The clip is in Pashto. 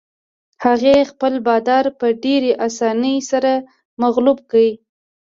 هغې خپل بادار په ډېرې اسانۍ سره مغلوب کړ.